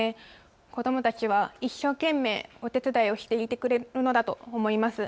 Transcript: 子どもたちは一生懸命お手伝いをしていてくれるんだと思います。